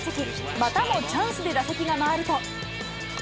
またもチャンスで打席が回ると。